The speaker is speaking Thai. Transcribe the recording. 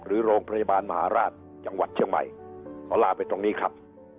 หรือโรงพยาบาลมหาราชจังหวัดเชียงใหม่